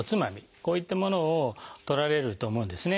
こういったものをとられると思うんですね。